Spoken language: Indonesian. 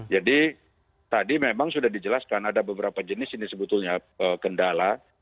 jadi tadi memang sudah dijelaskan ada beberapa jenis ini sebetulnya kendala